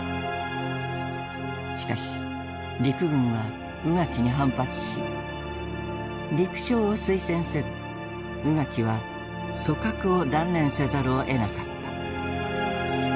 しかし陸軍は宇垣に反発し陸相を推薦せず宇垣は組閣を断念せざるをえなかった。